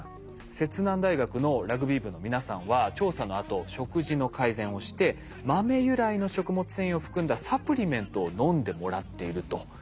摂南大学のラグビー部の皆さんは調査のあと食事の改善をして豆由来の食物繊維を含んだサプリメントを飲んでもらっていると。